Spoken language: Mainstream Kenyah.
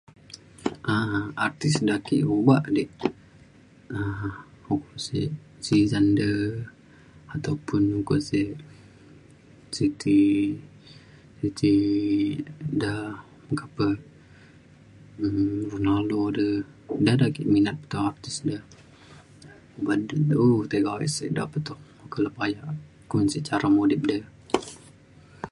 um artis de ake obak di um ukok sek [unintelligible] ataupun sek Siti Siti de meka pe um Ronaldo de da da ake minat toh artis de ban de dau tiga ale sek da pe toh kun lepa ja kun sek cara mudip de